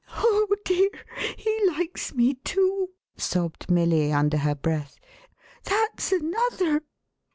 11 " Oh dear, he likes me too !" sobbed Milly, under her breath. "That's another!